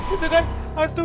itu kan hantu